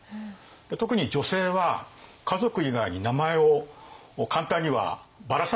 特に女性は家族以外に名前を簡単にはばらさないですね。